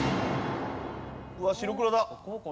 うわっ白黒だ！